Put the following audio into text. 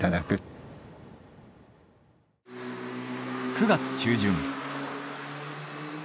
９月中旬。